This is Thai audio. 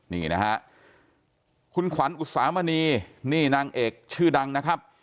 นี่นะฮะคุณขวัญอุตสามณีนี่นางเอกชื่อดังนะครับ